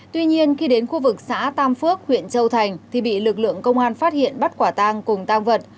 tuy nhiên khi đến khu vực xã tam phước huyện châu thành thì bị lực lượng công an phát hiện bắt quả tang cùng tăng vật